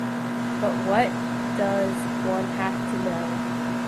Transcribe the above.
But what does one have to know?